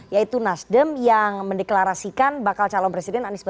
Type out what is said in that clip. yaitu nasdem yang mendeklarasikan bakal calon presiden anies baswedan